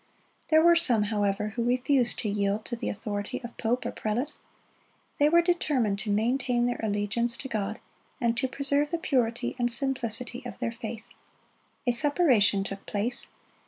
There were some, however, who refused to yield to the authority of pope or prelate. They were determined to maintain their allegiance to God, and to preserve the purity and simplicity of their faith. A separation took place.